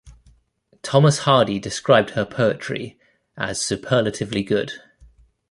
Thomas Hardy described her poetry as "superlatively good".